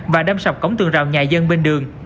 và đâm sập cổng tường rào nhà dân bên đường